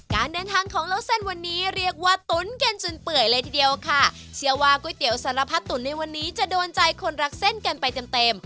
การเดินทางของเล่าเส้นวันนี้เรียกว่าตุ๋นกันจนเปื่อยเลยทีเดียวค่ะเชื่อว่าก๋วยเตี๋ยวสารพัดตุ๋นในวันนี้จะโดนใจคนรักเส้นกันไปเต็มเต็ม